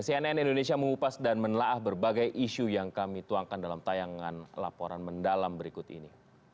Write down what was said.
cnn indonesia mengupas dan menelah berbagai isu yang kami tuangkan dalam tayangan laporan mendalam berikut ini